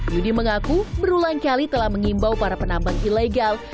yudi mengaku berulang kali telah mengimbau para penambang ilegal